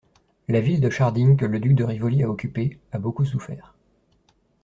La ville de Scharding que le duc de Rivoli a occupée, a beaucoup souffert.